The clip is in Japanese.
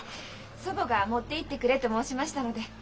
祖母が「持っていってくれ」と申しましたので。